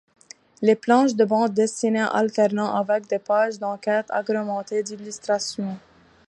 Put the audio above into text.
Les planches de bande dessinée alternent avec des pages d'enquête agrémentées d'illustrations.